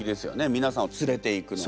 皆さんを連れていくのが。